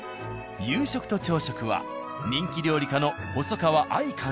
夕食と朝食は人気料理家の細川亜衣